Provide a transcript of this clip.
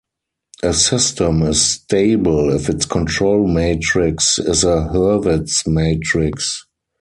A system is "stable" if its control matrix is a Hurwitz matrix.